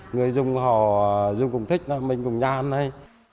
người dùng họ dùng cũng thích mình cũng nhan này